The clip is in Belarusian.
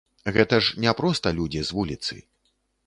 Гэта ж не проста людзі з вуліцы.